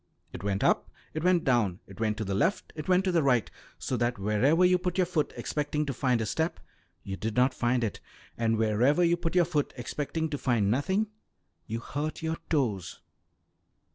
It went up, it went down, it went to the left, it went to the right, so that wherever you put your foot expecting to find a step, you did not find it, and wherever you put your foot expecting to find nothing, you hurt your toes.